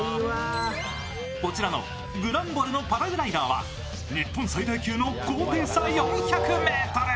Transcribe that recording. こちらのグランボレのパラグライダーは日本最大級の高低差４００ｍ。